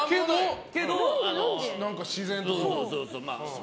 けど、自然とね。